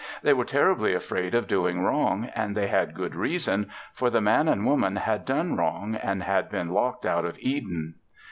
They were terribly afraid of doing wrong and they had good reason, for the Man and Woman had done wrong and had been locked out of Eden.